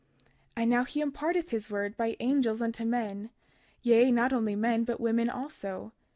32:23 And now, he imparteth his word by angels unto men, yea, not only men but women also.